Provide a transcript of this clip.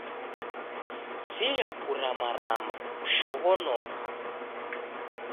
Sigha kuramarama, kushoghonoka